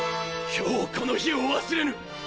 今日この日を忘れぬ！！